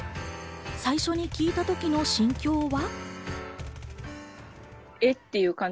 最初に聞いた時の心境は。